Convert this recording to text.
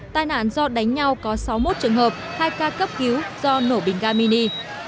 tai nạn do đánh nhau có sáu mươi một trường hợp hai ca cấp cứu do nổ bình ga mini